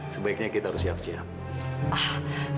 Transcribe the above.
sebaiknya kita harus siap siap